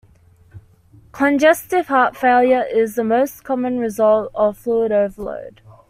Congestive heart failure is the most common result of fluid overload.